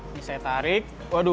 ini saya tarik